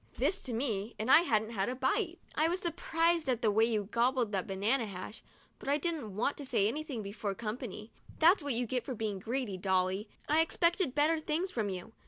This to me, and I hadn't had a bite ! "I was surprised at the way you gobbled that banana hash, but I didn't want to say anything before company. That's what you get for being greedy, Dolly ! I expected better things from you.